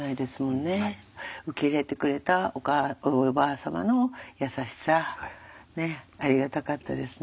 受け入れてくれたおばあ様の優しさありがたかったですね。